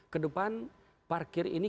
kedepan parkir ini